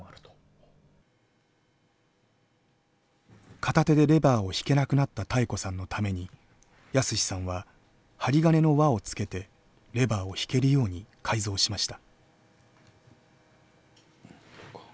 片手でレバーを引けなくなった妙子さんのために泰史さんは針金の輪をつけてレバーを引けるように改造しました。